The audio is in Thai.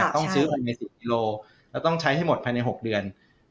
ต้องซื้อ๖ใน๑๐กิโลแล้วต้องใช้ให้หมดภายใน๖เดือน